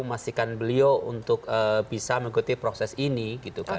memastikan beliau untuk bisa mengikuti proses ini gitu kan